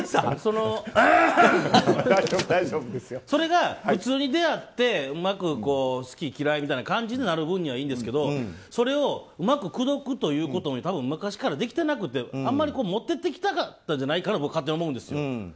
それが普通に出会ってうまく好き嫌いみたいな感じになる分はいいんですけどそれをうまく口説くということが昔からできてなくてあまりモテてこなかったんじゃないかと僕は思うんですよ。